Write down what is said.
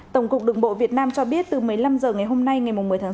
tổng cục đường bộ việt nam cho biết từ một mươi năm h ngày hôm nay ngày một mươi tháng sáu